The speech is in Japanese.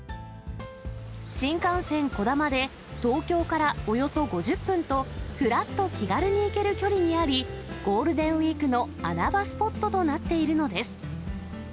新幹線こだまで、東京からおよそ５０分と、ふらっと気軽に行ける距離にあり、ゴールデンウィークの穴場スポットとなっているのです。